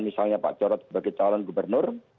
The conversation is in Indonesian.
misalnya pak jarod sebagai calon gubernur